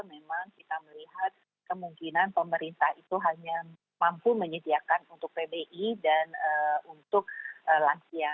memang kita melihat kemungkinan pemerintah itu hanya mampu menyediakan untuk pbi dan untuk lansia